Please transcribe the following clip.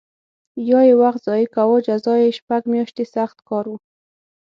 یا یې وخت ضایع کاوه جزا یې شپږ میاشتې سخت کار و